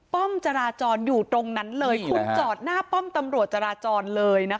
ป้อมจราจรอยู่ตรงนั้นเลยคุณจอดหน้าป้อมตำรวจจราจรเลยนะคะ